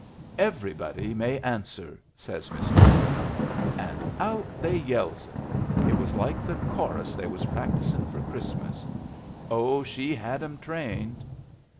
" Everybody may answer," says Miss Carey. And out they yells it. It was like the chorus they was practisin' for Christmas. Oh, she had 'em trained